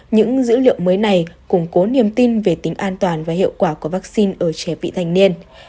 những dữ liệu mới này củng cố niềm tin về tính an toàn và hiệu quả của vaccine ở trẻ vị thành niên